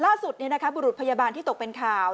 ล่าสุดบุรุษพยาบาลที่ตกเป็นข่าว